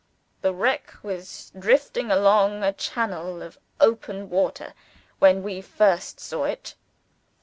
"The wreck was drifting along a channel of open water, when we first saw it.